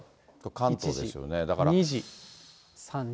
関東ですよね、だから。